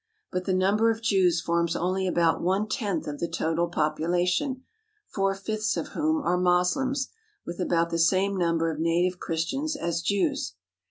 But the number of Jews forms only about one tenth of the total population, four fifths of whom are Moslems, with about the same number of native Christians as Jews.